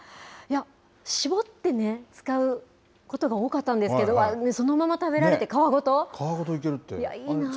搾ってね、使うことが多かったんですけど、そのまま食べられて、皮ごといけるって。